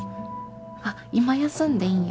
「あっ今休んでいいんや。